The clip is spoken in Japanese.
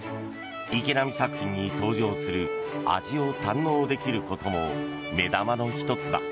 池波作品に登場する味を堪能できることも目玉の一つだ。